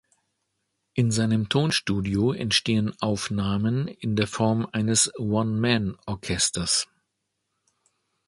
In seinem Tonstudio entstehen Aufnahmen in der Form eines „One-Man-Orchesters“.